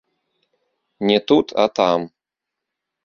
Не тут, а там.